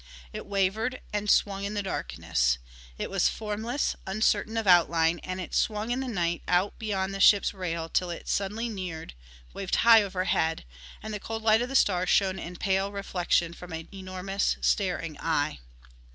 It wavered and swung in the darkness. It was formless, uncertain of outline, and it swung in the night out beyond the ship's rail till it suddenly neared, waved high overhead, and the cold light of the stars shone in pale reflection from an enormous, staring eye.